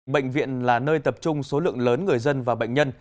bệnh viện là nơi tập trung số lượng lớn người dân và bệnh nhân